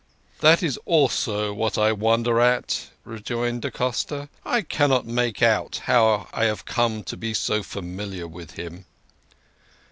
" That is also what I wonder at," rejoined da Costa. " I cannot make out how I have come to be so familiar with him."